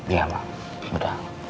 iya mak udah